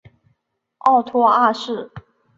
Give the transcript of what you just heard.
奥托二世。